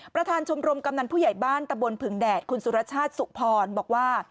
ประธานชมรมกำนันผู้ใหญ่บ้านตะบนผึงแดดคุณสุรชาติสุพรบอกว่า